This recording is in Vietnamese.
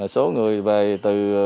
số người về từ